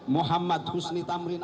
muhammad husni tamrin